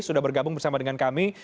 sudah bergabung bersama dengan kami